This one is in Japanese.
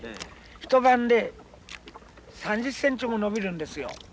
一晩で３０センチも伸びるんですよ。